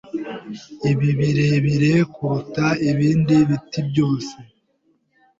Ibi birebire kuruta ibindi biti byose.